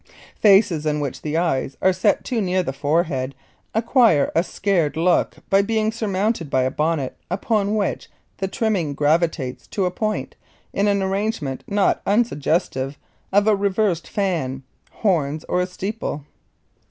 Faces in which the eyes are set too near the forehead acquire a scared look by being surmounted by a bonnet upon which the trimming gravitates to a point in an arrangement not unsuggestive of a reversed fan, horns, or a steeple.